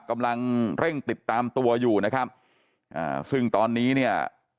กำลังเร่งติดตามตัวอยู่นะครับอ่าซึ่งตอนนี้เนี่ย